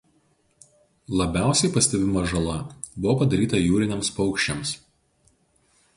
Labiausiai pastebima žala buvo padaryta jūriniams paukščiams.